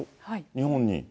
日本に。